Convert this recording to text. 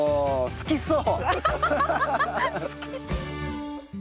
好きそう。